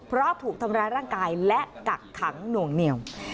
เพราะถูกทำร้ายร่างกายและกักขังหน่วงเหนียว